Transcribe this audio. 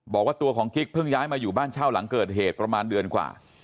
บอกว่าตัวของกิ๊กเพิ่งย้ายมาอยู่บ้านเช่าหลังเกิดเหตุประมาณเดือนกว่า